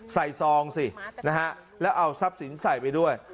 ซองสินะฮะแล้วเอาทรัพย์สินใส่ไปด้วย